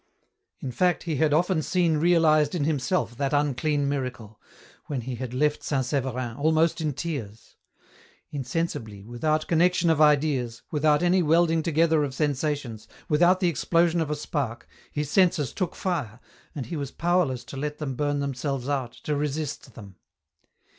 In fact he had often seen realized in himself that unclean miracle, when he had left St. Severin, almost in tears. Insensibly, without connection of ideas, without any welding together of sensations, without the explosion of a spark, his senses took fire, and he was powerless to let them burn themselves out, to resist them.